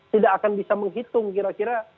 tidak akan bisa menghitung kira kira